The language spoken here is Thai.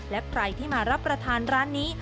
และใครที่มารับประทานร้านนี้